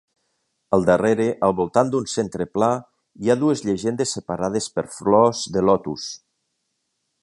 Al darrere, al voltant d'un centre pla, hi ha dues llegendes separades per flors de lotus.